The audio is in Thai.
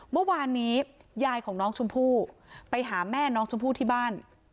เมื่อวานนี้ยายของน้องชมพู่ไปหาแม่น้องชมพู่ที่บ้าน